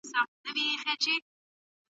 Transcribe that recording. مورنۍ ژبه د معلوماتو درک څنګه چټکوي؟